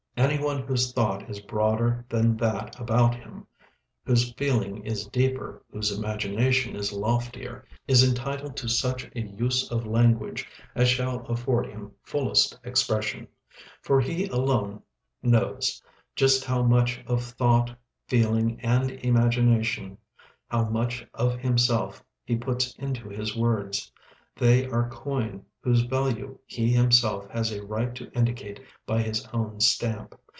Any one whose thought is broader than that about him, whose feeling is deeper, whose imagination is loftier, is entitled to such a use of language as shall afford him fullest expression; for he alone knows just how much of thought, feeling, and imagination, how much of himself, he puts into his words; they are coin whose value he himself has a right to indicate by his own stamp.